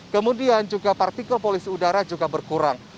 kemudian juga partikel polisi udara juga berkurang